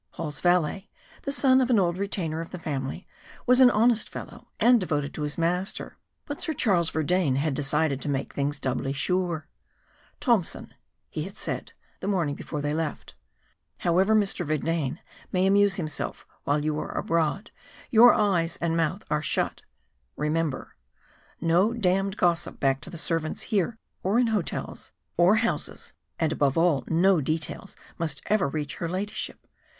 Paul's valet, the son of an old retainer of the family, was an honest fellow, and devoted to his master but Sir Charles Verdayne had decided to make things doubly sure. "Tompson," he had said, the morning before they left, "however Mr. Verdayne may amuse himself while you are abroad, your eyes and mouth are shut, remember. No d d gossip back to the servants here, or in hotels, or houses and, above all, no details must ever reach her Ladyship.